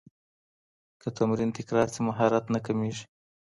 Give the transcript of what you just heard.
که تمرین تکرار سي، مهارت نه کمېږي.